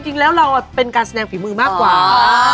จริงแล้วเราเป็นการแสดงฝีมือมากกว่า